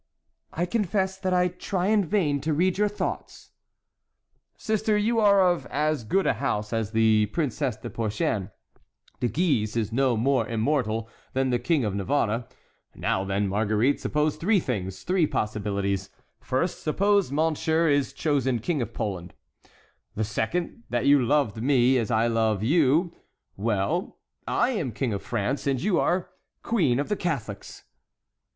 "I confess that I try in vain to read your thoughts." "Sister, you are of as good a house as the Princesse de Porcian; De Guise is no more immortal than the King of Navarre. Now, then, Marguerite, suppose three things, three possibilities: first, suppose monsieur is chosen King of Poland; the second, that you loved me as I love you; well, I am King of France, and you are—queen of the Catholics."